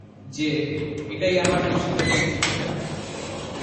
যে, এটাই আমার ঈপ্সিত সেই চিঠিটা।